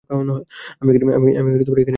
আমি এখানে এলে কোনো সমস্যা?